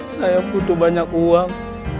saya butuh banyak uang